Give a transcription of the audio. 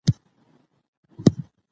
د عمومي کتابونو مطالعه وروسته وکړئ.